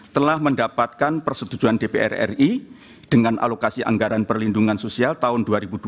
telah mendapatkan persetujuan dpr ri dengan alokasi anggaran perlindungan sosial tahun dua ribu dua puluh